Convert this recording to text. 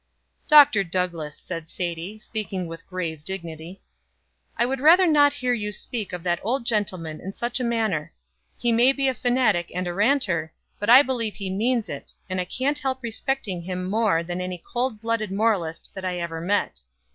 "Dr. Douglass," said Sadie, speaking with grave dignity, "I would rather not hear you speak of that old gentleman in such a manner. He may be a fanatic and a ranter, but I believe he means it, and I can't help respecting him more than any cold blooded moralist that I ever met.